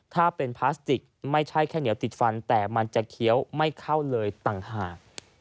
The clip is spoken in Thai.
ถ้าเป็นพลาสติกไม่ใช่แค่เหนียวติดฟันแต่มันจะเคี้ยวไม่เข้าเลยต่างหาก